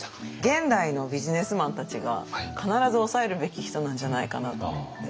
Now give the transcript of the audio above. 現代のビジネスマンたちが必ず押さえるべき人なんじゃないかなと思って。